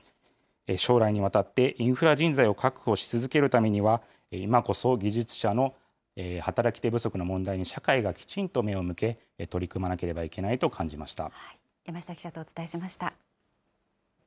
将来にわたってインフラ人材を確保し続けるためには、今こそ技術者の働き手不足の問題に社会がきちんと目を向け、取り組まなければいけないと感じました。